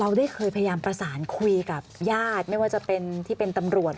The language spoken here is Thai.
ได้เคยพยายามประสานคุยกับญาติไม่ว่าจะเป็นที่เป็นตำรวจ